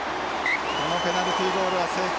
このペナルティーゴールは成功。